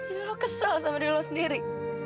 jadi lo kesel sama diri lo sendiri